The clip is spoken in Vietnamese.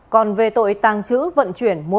còn về tội tàng trữ vận chuyển của tên tử tử